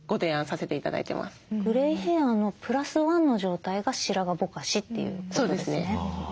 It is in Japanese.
グレイヘアのプラスワンの状態が白髪ぼかしということですね。